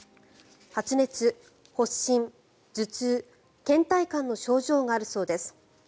発熱、発疹、頭痛けん怠感の症状があるそうです。